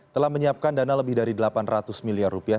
telah menyiapkan dana lebih dari delapan ratus miliar rupiah